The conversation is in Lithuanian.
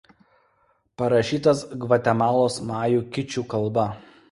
Parašytas Gvatemalos majų kičių kalba.